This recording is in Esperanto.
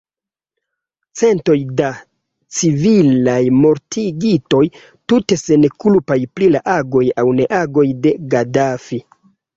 Centoj da civilaj mortigitoj, tute senkulpaj pri la agoj aŭ neagoj de Gadafi.